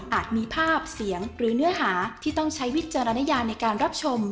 มีภาพเสียงหรือเนื้อหาที่ต้องใช้วิจารณญาในการรับชม